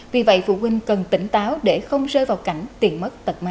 vì vậy phụ huynh cần tỉnh táo để không rơi vào cảnh tiền mất tật mệ